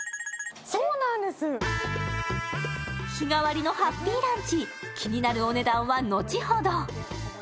日替わりのハッピーランチ、気になるお値段は後ほど。